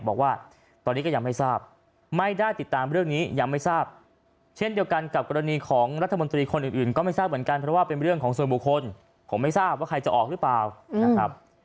บอกว่าตอนนี้ก็ยังไม่ทราบไม่ได้ติดตามเรื่องนี้ยังไม่ทราบเช่นเดียวกันกับกรณีของรัฐมนตรีคนอื่นก็ไม่ทราบเหมือนกันเพราะว่าเป็นเรื่องของส่วนบุคคลผมไม่ทราบว่าใครจะออกหรือเปล่านะครับ